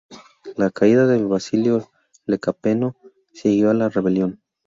La caída de Basilio Lecapeno siguió a la rebelión.